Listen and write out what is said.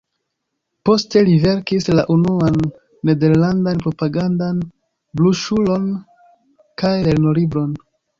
Poste li verkis la unuan nederlandan propagandan broŝuron kaj lernolibron.